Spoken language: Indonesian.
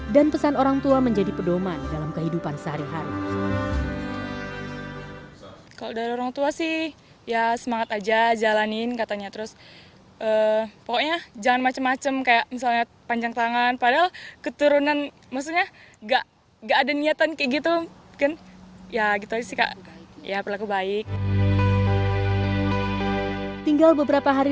dan pesan orang tua menjadi pedoman dalam kehidupan sehari hari